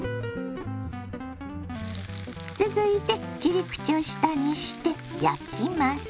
続いて切り口を下にして焼きます。